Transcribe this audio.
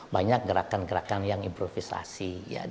banyak gerakan gerakan yang improvisasi